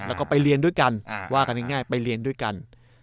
แล้วก็ไปเรียนด้วยกันว่ากันง่ายไปเรียนด้วยกัน